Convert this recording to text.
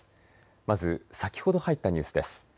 まず、先ほど入ったニュースです。